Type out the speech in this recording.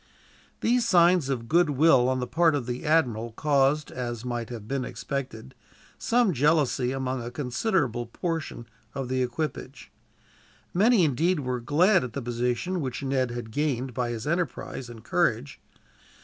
These signs of goodwill on the part of the admiral caused, as might have been expected, some jealousy among a considerable portion of the equipage. Many, indeed, were glad at the position which Ned had gained by his enterprise and courage.